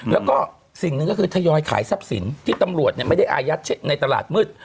แล้วก็สิ่งหนึ่งก็คือทยอยขายทรัพย์สินที่ตำรวจไม่ได้อายัดในตลาดมืด